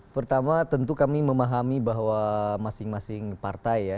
pertama tentu kami memahami bahwa masing masing partai ya